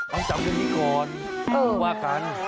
มันจำกันทีก่อนไม่มีว่ากัน